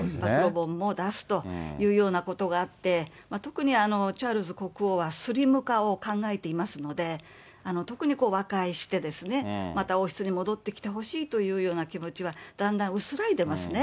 を出すということもあって、特にチャールズ国王はスリム化を考えていますので、特に和解して、また王室に戻ってきてほしいというような気持ちはだんだん薄らいでますね。